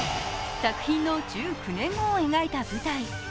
作品の１９年後を描いた舞台。